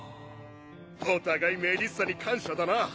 お互いメリッサに感謝だな。